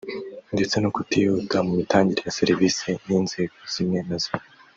ndetse no kutihuta mu mitangire ya serivisi y’inzego zimwe na zimwe